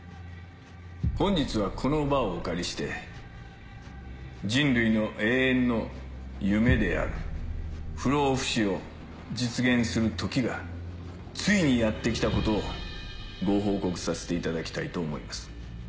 本日はこの場をお借りして人類の永遠の夢である不老不死を実現する時がついにやって来たことをご報告させていただきたいと思います。